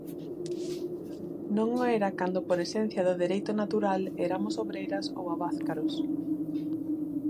Non o era cando por esencia do dereito natural eramos obreiras ou abázcaros.